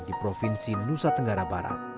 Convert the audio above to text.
di provinsi nusa tenggara barat